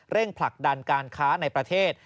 ผลักดันการค้าในประเทศ